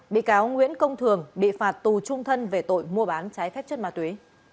bị cáo nguyễn công thường bị phạt tù trung thân về tội mua bán trái phép chất ma túy